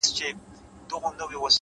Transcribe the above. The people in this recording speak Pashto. صادق انسان کم تشریح ته اړتیا لري’